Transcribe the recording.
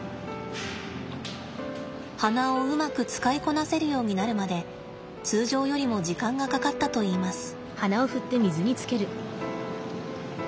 鼻をうまく使いこなせるようになるまで通常よりも時間がかかったといいます。